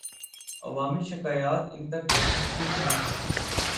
عوامی شکایات ان تک پہنچتی ہیں۔